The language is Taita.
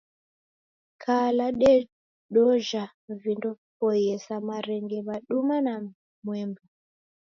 Kala dedojha vindo viboie sa marenge, maduma na mwemba.